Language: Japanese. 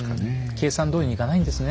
計算どおりにいかないんですね